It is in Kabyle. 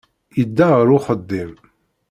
Yedda ɣer uxeddim.